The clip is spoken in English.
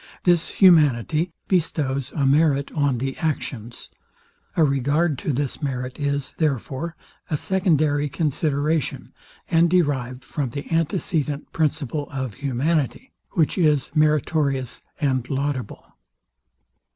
This humanity bestows a merit on the actions. A regard to this merit is, therefore, a secondary consideration, and derived from the antecedent principle of humanity, which is meritorious and laudable.